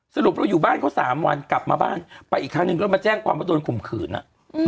สรุปเราอยู่บ้านเขาสามวันกลับมาบ้านไปอีกครั้งหนึ่งก็มาแจ้งความว่าโดนข่มขืนอ่ะ